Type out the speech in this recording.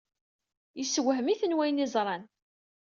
Yessewhem-iten wayen i ẓran.